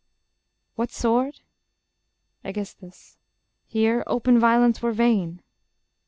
What sword? Aegis. Here open violence were vain.